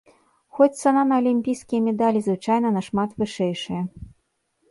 Хоць цана на алімпійскія медалі звычайна нашмат вышэйшая.